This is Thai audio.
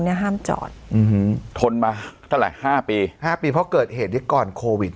เนี้ยห้ามจอดอืมทนมาเท่าไหร่ห้าปีห้าปีเพราะเกิดเหตุนี้ก่อนโควิด